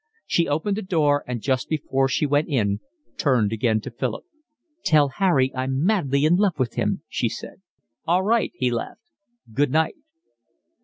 She opened her door and just before she went in, turned again to Philip. "Tell Harry I'm madly in love with him," she said. "All right," he laughed. "Good night."